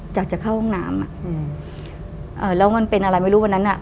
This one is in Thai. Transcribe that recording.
จากจะเข้าห้องน้ำแล้วมันเป็นอะไรไม่รู้วันนั้นน่ะ